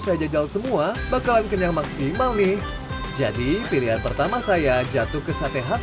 saya jajal semua bakalan kenyang maksimal nih jadi pilihan pertama saya jatuh ke sate khas